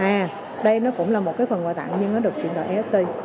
a đây nó cũng là một cái phần quà tặng nhưng nó được chuyển đổi nft và cái nft đó nó có giá trị